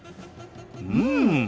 うん。